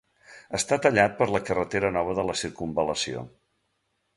Està tallat per la carretera nova de la circumval·lació.